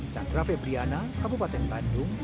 cak raffi briana kabupaten bandung